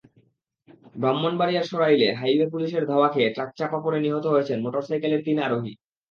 ব্রাহ্মণবাড়িয়ার সরাইলে হাইওয়ে পুলিশের ধাওয়া খেয়ে ট্রাকচাপা পড়ে নিহত হয়েছেন মোটরসাইকেলের তিন আরোহী।